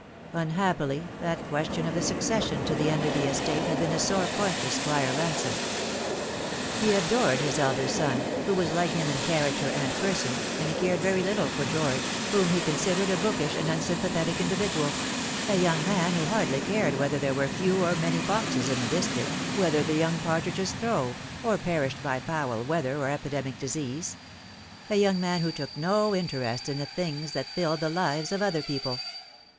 Unhappily that question of the succession to the Enderby estate had been a sore point with Squire Ransome. He adored his elder son, who was like him in character and person, and he cared very little for George, whom he considered a bookish and unsympathetic individual ; a young man who hardly cared whether there were few or many foxes in the district, whether the young partridges throve, or perished by foul weather or epidemic disease a young man who took no interest in the things that filled the lives of other people.